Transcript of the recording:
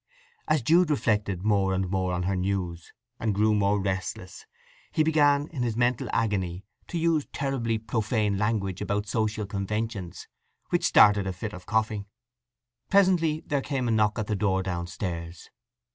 As Jude reflected more and more on her news, and grew more restless, he began in his mental agony to use terribly profane language about social conventions, which started a fit of coughing. Presently there came a knock at the door downstairs.